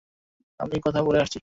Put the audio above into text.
আমি কথা বলে আসছি।